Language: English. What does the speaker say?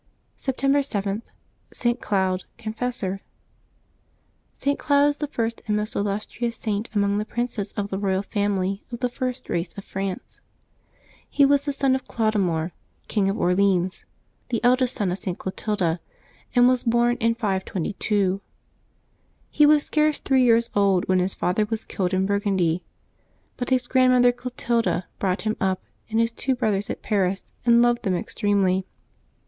Septjcmbeb 7] LIVES OF THE SAINTS 307 September 7.— ST. CLOUD, Confessor. T. Cloud is the first and most illustrious Saint among the princes of the ro3'al family of the first race in France. He was son of Chlodomir, King of Orleans, the eldest son of St. Clotilda, and was born in 522. He was scarce three years old when his father was killed in Bur ~\ gundy; but his grandmother Clotilda brought up him and liis two brothers at Paris, and loved them extremely.